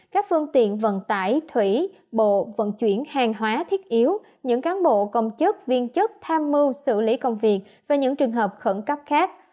các phương tiện vận tải thủy bộ vận chuyển hàng hóa thiết yếu những cán bộ công chức viên chức tham mưu xử lý công việc và những trường hợp khẩn cấp khác